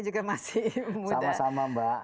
juga masih sama sama mbak